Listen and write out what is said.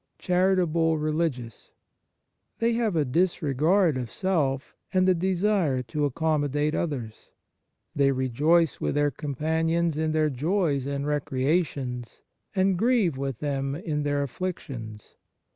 CHARITABLE RELIGIOUS They have a disregard of self and a desire to accommodate others. They rejoice with their companions in their joys and recreations, and grieve with them in their afflictions.